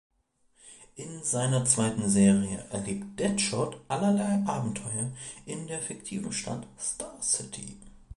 In seiner zweiten Serie erlebt Deadshot allerlei Abenteuer in der fiktiven Stadt Star City.